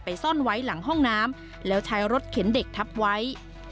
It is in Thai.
ซ่อนไว้หลังห้องน้ำแล้วใช้รถเข็นเด็กทับไว้